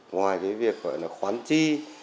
ngoài cái việc khoán chi